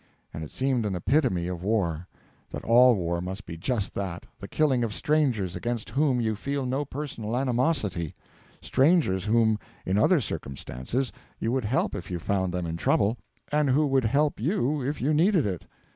And it seemed an epitome of war; that all war must be just that the killing of strangers against whom you feel no personal animosity; strangers whom, in other circumstances, you would help if you found them in trouble, and who would help you if you needed it.